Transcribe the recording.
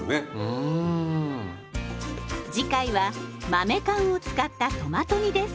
次回は豆缶を使ったトマト煮です。